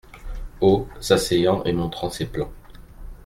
Haut, s’asseyant et montrant ses plans.